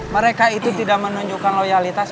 mereka itu tidak menunjukkan loyalitas